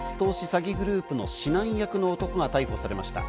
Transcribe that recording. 詐欺グループの指南役の男が逮捕されました。